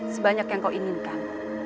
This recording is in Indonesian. sebanyak yang kau inginkan